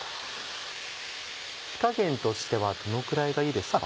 火加減としてはどのくらいがいいですか？